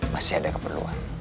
masih ada keperluan